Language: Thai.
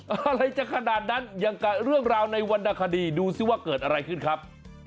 อะไรจะขนาดนั้นอย่างกับเรื่องราวในวรรณคดีดูซิว่าเกิดอะไรขึ้นครับ